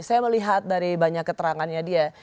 saya melihat dari banyak keterangannya dia